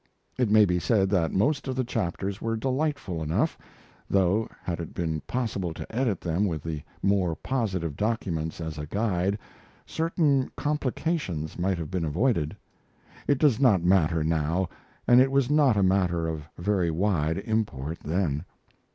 It may be said that most of the chapters were delightful enough; though, had it been possible to edit them with the more positive documents as a guide, certain complications might have been avoided. It does not matter now, and it was not a matter of very wide import then.